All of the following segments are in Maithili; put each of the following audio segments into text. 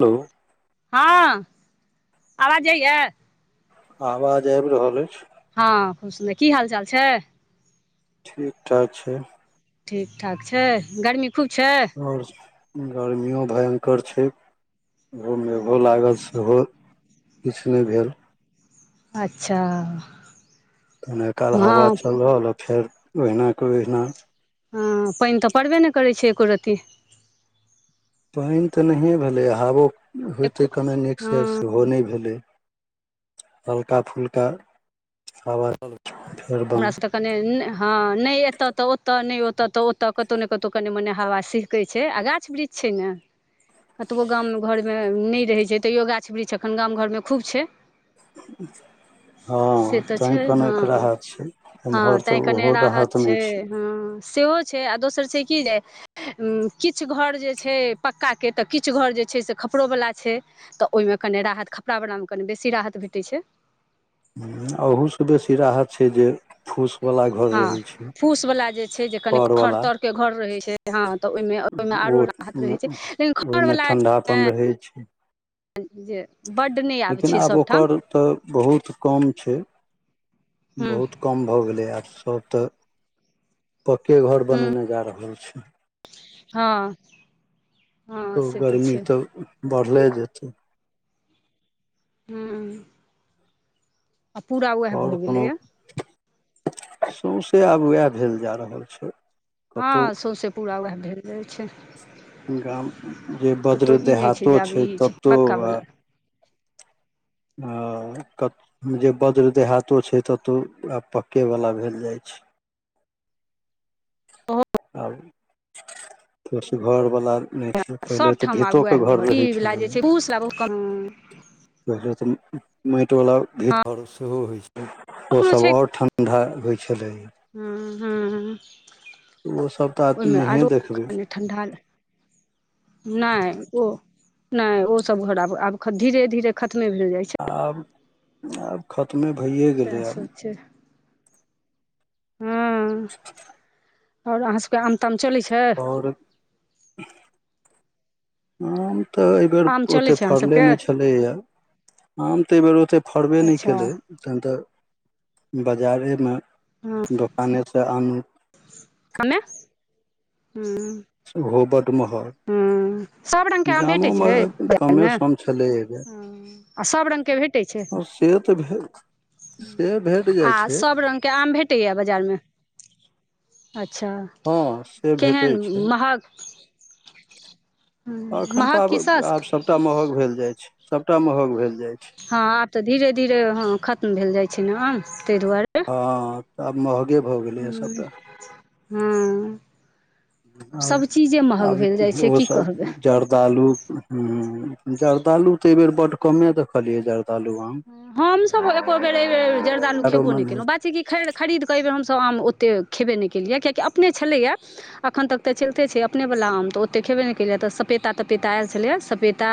हेलो आवाज जाय या आवाज आबि रहल अछि हँ की हाल चाल छै [unintelligible] ठीक ठाक छै ठीक ठाक छै गरमी खूब छै आओर गर्मियो भयंकर छै ओहो मेघो लागल सेहो किछ नइ भेल अच्छा कने काल हवा हँ चलल आ फेर ओहिना के ओहिना हँ पानिन तऽ पड़बे नहि करैत छै एको रती पैन तऽ नहिए भेलैया हावो एको होइतै कने नीकसँ हँ सेहो नहि भेलै हल्का फुलका हवा फेर हमरा बन्द सब त कनि हँ नहि एतऽ तऽ ओतऽ नहि ओतऽ तऽ ओतऽ कतौ ने कतौ कनि मने हावा छय कहै छै आ गाछ वृक्ष छै ने कतबो गाम घरमे नहि रहै छै तैयो गाछ वृक्ष एखन गाम घरमे खूब छै हँ से तऽ तै छै कहलो एकरा हँ राहत छै हँ एमहर तैं तऽ कने ओहो राहत नहि छै हँ सेहो छै आ दोसर छै की जे किछु घर जे छै पक्काके तऽ किछु घर जे छै से खपड़ोवला छै तऽ ओइ में कनि राहत खपड़ा बला में कनि बेसी राहत भेटै छै अहू से बेसी राहत छै जे फूसवला घर हँ रहै छै खरवला के घर रहे छै हँ तऽ ओहिमे ओहिमे ओ आरो राहत रहै छै लेकिन ओहिमे खरवला ठण्ढापन रहै छै जे बड्ड नहि आबै छै लेकिन आब सभठाम ओकर तऽ बहुत कम छै हूँ बहुत कम भए गेले आब सब तऽ पके घर बनेने जा रहल छैथ हाँ तऽ गरमी तऽ बढ़ले जेतै हूँ आ पूरा उएह भऽ ओर कोनो गेलैए सौँसे आब उएह भेल जा रहल छै हँ कतहु सौँसे पूरा उहै भेल जाय छै गाम जे कतहु [unintelligible] ई नहि देहातो जे आब छै ई ततहु पक्का वला ह जे वज्र देहातो छै ततहु आब पक्केवालला भेल जाइ छै हो आब फुस घर बाला नहि छै पहिले सब तऽ ठाम आब वेह भीतोके घर रहै ई वला जे छलैए छइ फुसवला बहुत कम त मैट वला भीत पर सेहो होय छै ओ कखनो सब छै और ठंडा ठण्डा होइ छलै हूँ हूँ हूँ ओसभ तऽ आब नहिए देखबै ठण्ढ़ा ल नाइ ओ नाइ ओ सब घड़ आब धीरे धीरे खतमे भेल जाइ छै आब आब खतमे भइए सएह गेलै सब आब हू और अहाँ सबके आम ताम चलै छैय आओर ऊँ तऽ एहिबेर आम चलै ओते छै अहाँ फड़ले सबके नहि छलैया आम तऽ एहिबेर ओते फड़बे नहि अच्छा केलै तहन तऽ बजारेमे हँ दोकानेसँ आनू साममे हूँ सेहो बड महग हू सब रंग के आम भेटैत गामोमे छै बाजार कमे मे सम छलै सब रंग के भेट सेह तऽ भेट से आ जाइ छै सब रंग के आम भेट बाजार मे अच्छा हँ से भेटै केहन छै महग एखन तऽ महग कि आब आब सस्त सबटा महग भेल जाइ छै सबटा महग भेल जाय छै हँ आब तऽ धीरे धीरे ह खत्म भेल जाय छै ने आम ताहि दुआरे हँ तऽ आब महगे भऽ गेलैए सभटा हू आब भेल जाइ आब छै की कहबै ओसभ जरदालू हू जर्दालु तऽ एहि बेेर बड कमे देखलियै जर्दु जर्दालू आम हमसब एको बेर एई बेर जर्दालू खेबो आरोमे नइ केलहुँ नहि बात छै की खैर खरीद कऽ एहि बेेर हमसभ आम ओते खेबे नहि केलियै किएकि अपने छलैया एखन तक तऽ चलिते छै अपनेवला आम तऽ ओतेक खेबे नहि केललैए तऽ सपेता तपेता आयल छलैए सपेता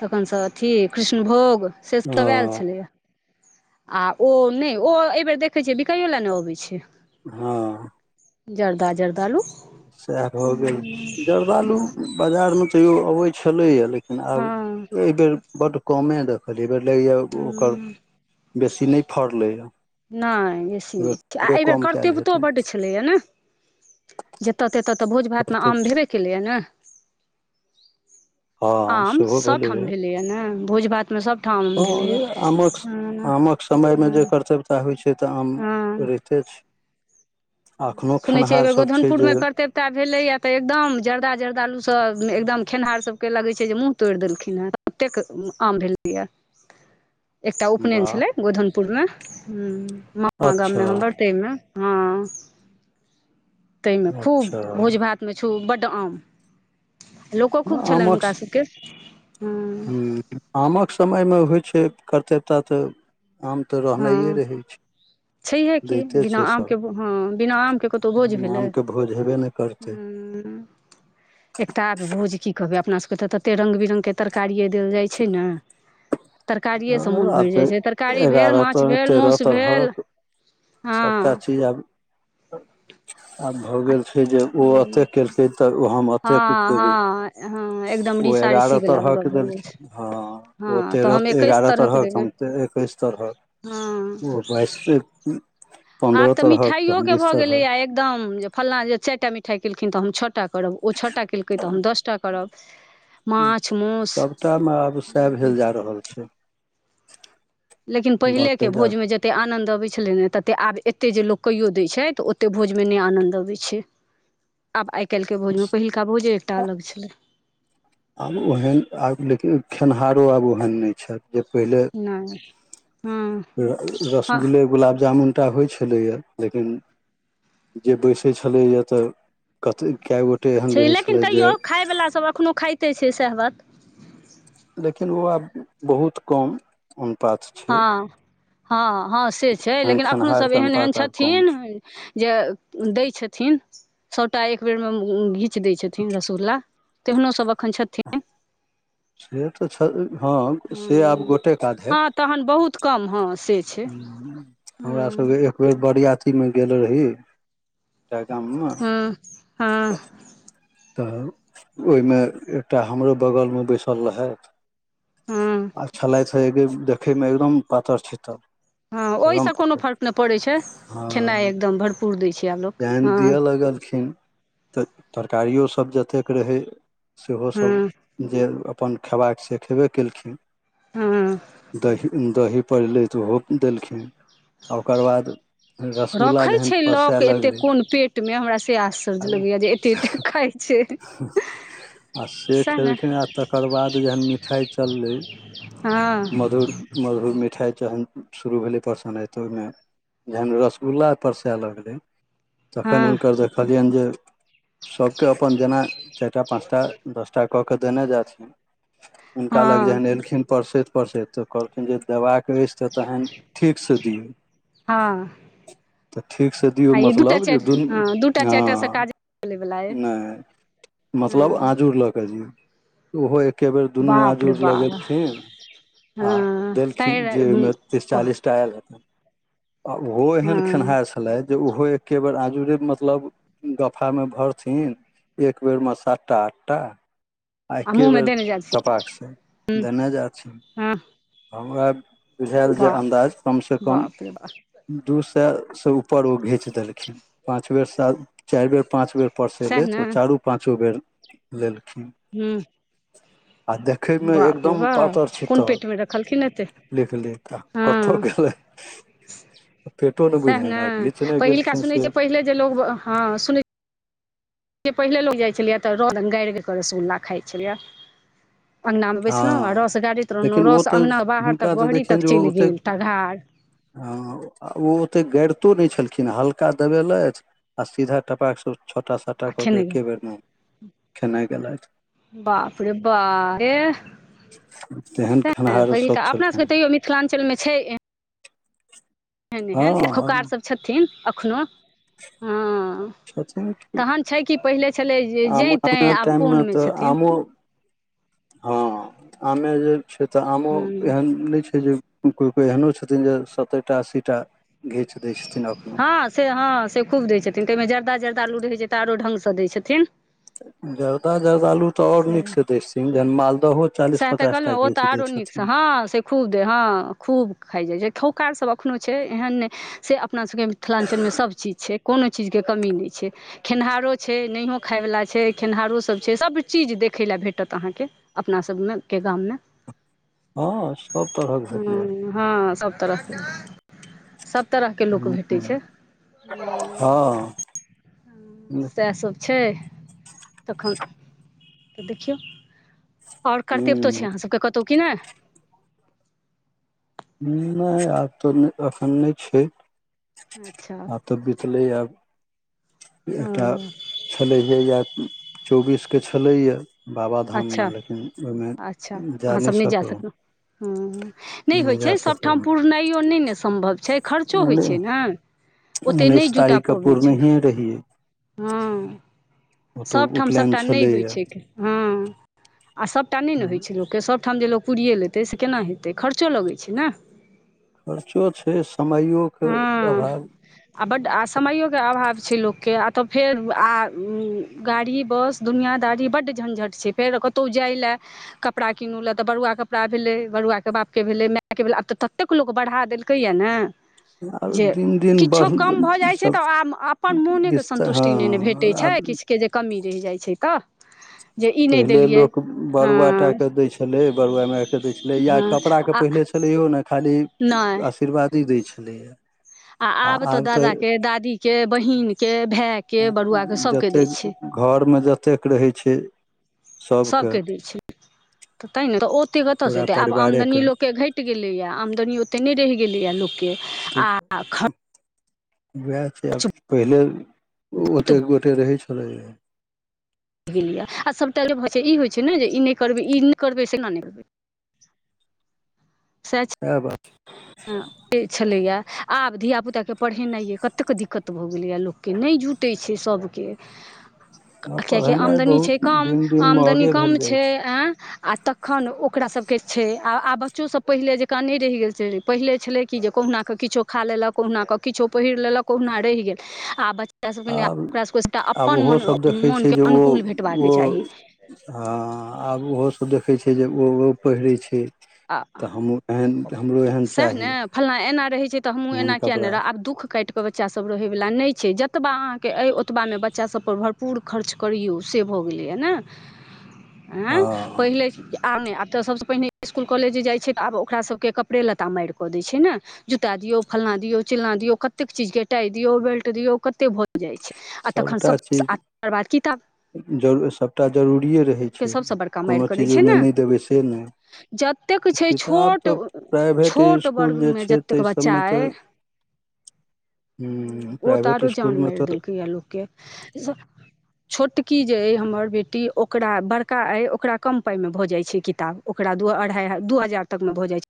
तखनसँ अथी कृष्णभोग से सभ आयल हँ छलैए आ ओ नेइ ओ एहिबेर देखै छियै बिकाइयो ले नइ अबै छै हँ जर्दा जर्दालू सएह भऽ गेल जर्दालु बाजारमे तैयो अबैत छलैया लेकिन लेकिन हँ आब एहि बेर बड्ड कमे देखल एहि बेर लागि जाए ओकर हँ बेसी नहि फड़लै ह नय बेसी नय छै आ एहि बेेर कयल कर्तव्यतो हेतै बड्ड छलैए नः जेत तेत तऽ भोज भातमे फड़तै आम भेबे केलैए नऽ हँ आम सेहो सबठाम भेलैए नऽ भोज भातमे सबठाम ह आमक आमक समयमे हँ जेकर सबहक सेह होइ छै तऽ आम रहिते छै हूं एखनो सुनै छियै एहि खेनिहार बेेर सब छै जे गोधनपुरमे करते एकटा भेलैए तऽ एकदम जर्दा जर्दालू सब एकदम खेनिहार सबके लगै छै जे मुँह तोड़ि देलखिन हेँ ओतेक आम भेलैए एकटा उपनयन वाह छलै गोधनपुरमे हू मामा अच्छा गाममे हम बर ताहिमे हाँ ताहिमे खूब अच्छा भोज भातमे छौ बड आम लोको खूब छलनि आमक हुनका सभके हँ हूँ आमक समयमे होइ छै कतेटा तऽ आम तऽ हँ रहनाइए रहै छै छैहे की दैते बिना छै आमके हँ बिना सब आमके कतहु [inaudible] भोज बिना भेलै आमके भोज हेबे नहि करय [inaudible] एकता भोज की कहबै अपना सबके के तते रंग बिरंग के तरकारिए देल जाय छै न तरकारिए से मोन आब भैर जाय तऽ छै तरकारी भेल एगारह माछ भेल माउस भेल सभटा हँ चीज आब [inaudible] आब भऽ गेल छै जे ओ एते हँ केलकै तऽ हम एतेक हँ देबै हँ हँ एकदम ओ रीसा रीसी एगारह वला गप तरहके भऽ गेल छै देलखिन हँ ओ हँ तऽ हम तेरह एकैस एगारह तरहक तऽ देबै हम एकैस तरहक हँ ओ बाइस आब पन्द्रह तऽ तरहक तऽ मिठाइय हम के बीस भऽ गेलैए तरहक एकदम जे फल्लाँ जे चारि टा मिठाई केलखिन तऽ हम छो टा करब ओ छो टा केलकै तऽ हम दसटा करब माछ माउस सभटा मे आब सएह भेल जा रहल छै लेकिन पहिले के बढ़ते जा भोजमे जते ततेक आनंन्द अबैत छलै ने ततेक आब एतेक जे लोक कहियो दैत छै तऽ ओतेक भोजमे नहि आनंद अबैत छै आब आए काइल के भोजमे पहिलका भोजे एकटा अलग छलै आब ओहेन आब लेकिन खेनिहारो आब ओहन न छैथ जे पहिले नहि हँ हँ रसगुल्ले गुलाब जामुन टा होइ छलैए लेकिन जे बैसे छले या तऽ कते कै गो छै लेकिन तइयों खाय वाला सभ एखनहु खाइते छै सेहा बत लेकिन बौआ बहुत कम [unintelligible] हँ हँ हँ से छै एहन लेकिन एखनो सब खेनिहारके एहन एहन अनुपात आब कम छथिन छै जे दै छथिन सौ टा एक बेर मे घीच दै छथिन रसगुल्ला तेहनो सब एखन छथिन से तऽ छै हँ से आब हूँ गोटेएक हँ आधेक तहन बहुत कम हँ से छै हमरा हूँ सबके एक बेर बरियातीमे गेल रही [inaudible] हाँ हाँ तऽ ओहिमे एकटा हमरो बगलमे बैसल रहैथ हँ आ छलैथ देखै मे एकदम पातर चितर हँ ओहिसँ कोनो फर्क नहि पड़ैत छै खेनाइ एकदम भरपूर दै छैै अब लोक जेहन हँ दिअ लगलखिन तऽ तरकारियो सब जतेक रहै सेहो सब हँ जे अपन खेबाक से खेबे केलखिन हँ [inaudible] दही दही पड़लै तऽ ओहो देलखिन आ ओकर बाद रसगुल्ला रखै जेहन छै परस लोक एते कोन पेट मे हमरा से आश्चर्य आ लगैया जे एते एते खाइ छै आ से सएह ने खेलखिन आ तकर बाद जहन मिठाइ चललै हँ मधुर मधुर मिठाइ तहन शुरू भेलै परसनइ ओहिमे जेहन रसगुल्ला पररसे लगले तखन हँ हुनकर देखलियन जे सबके अपन जेना चारिटा पाँच टा दस टा कऽ केऽ देने जाथिन हुनका लग हँ जहन एलखिन परसैत परसैत तऽ कहलखिन जे देबाक अछि तऽ तहन ठीकसँ दियौ हँ [inaudible] तऽ ठीक से दौ आ ई दूटा मतलब जे चारि दुन हँ दूटा चारि टा सँ हँ काज चलै बला अइ नहि मतलब हँ आजू लऽ कऽ जौ ओहो ऐके बेर दुनू बाप रे आजूड़ लऽ बाप गेलखिन आ हँ तैं देलखिन जे ओहिमे तीस चालीस टा आयल हेतन आ ओहो एहन हँ खेनिहैर छलथि जे ओहो एकेबेर आजुड़े मतलब गफामे भरथिन एक बेरमे सातटा आठटा आ एक्के मुँहमे बेर देने जाइ छी टपाकसँ देने जाथिन हँ हमरा बुझायल जे बाप अन्दाज कम सँ कम बाप रे बाप दू सए से ऊपर ओ घींच देलखिन पाँच बेर सा चारि बेर पांच बेर पर से सएह लेथ ने ओ चारू पाँचो बेर लेलखिन हू आ देखे मे एकदम बा पातर कोन छितर पेटमे रखलखिन एते लिखलि त कथ गेलै ह [inaudible] पेटो नै बुझायल आ कि पहिलका सुनैत छियै पहिले जे लोग हँ सुन जे पहिले लोक जाइत छलियै तऽ रौद गैर कऽ रसुल्ला खाइ छलियै अँगनामे बैसलहुँ आ हँ रस गाारैत रहलहुँ लेकिन ओ रस तऽ अँगना बाहर हुनका तक तऽ बहरी देखियनि तक जे ओ चलि ओतेक गेल तघार हँ ओ ओते गड़ितो नहि छलखिन हल्का दबेलथि आ सीधा टपाक छोटा छटा आ कऽ के खेने गेल एके बेरमे खेनाइ गेलथि बाप रे बा रेह तेहन खेनहारो सब अपना सभके छलखिन तैयो मिथिलाञ्चलमे छै ए एहन एहन एत खौकार हँ सब छथिन एखनो हाँ छथिन कि तहन छै कि पहिले छलै जे आमो जैतै आम आब टाइम मे कोनमे तऽ छथिन आमो हँ आमे जे छै तऽ आमो हूँ एहन नय छै जे कोइ कोइ एहनो छथिन जे सत्तैरिटा अस्सी टा घीच दै छथिन अखनो हँ से हँ से खूब दै छथिन तहिमे जर्दा जर्दा लू रहै छै तऽ आरो ढ्ंगसँ दै छथिन जर्दा जर्दालू तऽ आओर नीक से दे सिंह जहन मालदहो चालीस सेत पचास टा कहलमे ओ के तऽ जी दै आरो नीक से छथिन हँ खूब देह हँ खूब खाइ जाइ छै खौकार सब एखनो छै एहन नय से अपना सबके मिथिलाञ्चलमे सबचीज छै कोनो चीजके कमी नहि छै खेनिहारो छै नहियो खायवला छै खेनिहारोसभ छै सभचीज देखय लै भेटत अहाँकेँ अपना सबमे के गाममे हँ सब तरहक भेटयै हाँ सब तरहके सभ तरहके लोक भेटै छै हूं हाँ सएह सब छै तखन तऽ देखियौ आओर कर्तेव तो छै अहाँसभके कतहु क कि नहि नय आब तऽ एखन नय छै अच्छा आब तऽ बितलै आब ओ एकटा छलैए इा चौबीसके छलैए बाबाधाममे अच्छा लेकिन ओहिमे जा नहि सकलहुँ ह नहि होइत छै जा सभठाम सकलहुँ पुरनाइयो नहि ने सम्भव छै खर्चो होइत छै ने ओतेक नहि उन्नैस जुटा तारीखकेँ पबैत पूर छै नहिए रहियै हँ ओतौ सभठाम उपनयन सभटा नहि होइत छलैया छैक हँ आ सभटा नहि ने होइत छै लोक के सबठाम जे लोक पूरियए लेतै से केना हेतै खर्चो लगै छै ने खर्चो छै समायो के हँ अभाव आ बड्ड आ समयोके अभाव छै लोके आ तऽ फेर आ गाड़ी बस दुनिया दारी बड्ड झञझट छै फेर कतहु जाइ लए कपड़ा कीनू ले तऽ बड़ुआ कपड़ा भेलै बड़ुआ के बाप के भेले माय के भेलै आब तऽ ततेक ततेक लोक बढ़ा देलकै या नऽ आब जे दिन दिन किछो बढ़ कम भऽ जाइ छै सब तऽ आ अपन मोनेके विस्तार हँ सन्तुष्टि नहि नऽ भेटैत छै आब किछ के जे कमी रहि जाइ छै तऽ जे ई नहि पहिले देलियै लोक हँ बरुआ टा के दै छले बरुआ माायके दै छलै या हँ कपड़ा के आ पहिले छल छलैय ने खाली नहि आशीर्वादी दै छलैया आ आब तऽ दादाके दादीके बहीनके भायके बरुआकेँ सभकेँ दै छैय घरमे जतेक रहै छै सबके सभके दै छै तऽ तैहिने तऽ ओते कतयसँ पूरा अतै आब परिवारे आमदनी के लोकके घेट गेलैय आमदनी ओते नहि रहि गेलैय लोकके आ ओएह छै खर्च आब पहिले बहुत बढ़ि ओतेक गोटे रहै छलैय गेलियै आ सभटा जे छै ई होइ छै ने जे ई नहि करबै ई नहि करबै केना नहि करबै सहे छै सेह बात छै हँ छलैया आब धिया पुता के पढ़ेनाइ य कतेक दिक्कत भऽ गेलैया लोकके नहि जुट पटै छै सभके आब किएकि पढ़ेनाइ आमदनी छै बहुत कम दिन दिन आमदनी महगे भेल कम जाइ छै आँय आ तखन ओकरा सबके छै आ आब बच्चो सब पहिले जकाँ नहि रहि गेल छै पहिले छलै कि जे कहुननााकऽ किछो खा लेलक कहुनााकऽ किछो पहिर लेलक कहुना रहि गेल आब बच्चा सभकेनि आब ओकरास सभके सभटा आब अपन ओहो सब म देखै छै मोनके जे ओ अनुकूल भेटबाक ओ चाही हँ आब ओहोसभ देखैत छै जे ओ ओ पहिरैत छै आ तऽ हमहूँ एहन हमरो एहन सएह चाही ने फल्ला एना रहैत छै तऽ हमहूँ एहन एना किया नहि कपड़ा रह आब दुःख कटि के बच्चासभ रहैवला नहि छै जतबा अहाँके अइ ओतबामे बच्चास सब पर भरपूर खर्च करियौ से भऽ गेलै हँ ने आँ हँ पहिले आब नहि आब तऽ सबसँ पहिने स्कूल कॉलेज जे जाइ छै तऽ आब ओकरा सबके कपड़े लत्ता मारि कऽ दै छै ने जूता दियऔ फल्ना दियो चिलना दियऔ कतेक चीज के टाय दियऔ बेल्ट दियऔ कते भऽ जाइ छै आ तखन सब तकर बाद किताब जरूर सभटा जरुररिए रहै छै के सभसँ बड़का मारि कोनो करै चीज छै ओहिमे नऽ नहि देबै से नहि जतेक छै किताब छोट तऽ प्राइभेट छोट इसकुल जे वर्गमे छै जतेक ताहि बच्चा सभमे अइ तऽ ओ तऽ प्राइभेट आरो जान इसकुलमे मार तऽ दिलक य लोक के छोटकी जे अ हमर बेटी ओ ओकरा बड़का अइ ओकरा कम पाइमे भऽ जाइ छै किताब ओकरा द अढ़ाइ दू हजार तकमे भऽ जाइ छै